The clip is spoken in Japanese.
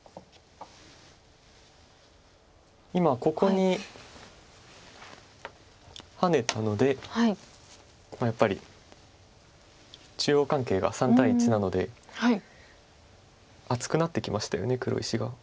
今ここにハネたのでやっぱり中央関係が３対１なので厚くなってきましたよね黒石が。